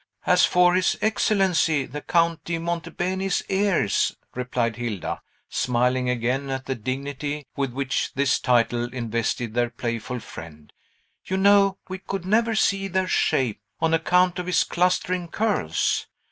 "As for his Excellency the Count di Monte Beni's ears," replied Hilda, smiling again at the dignity with which this title invested their playful friend, "you know we could never see their shape, on account of his clustering curls.